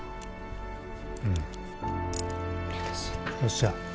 よっしゃ。